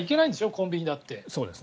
コンビニだって。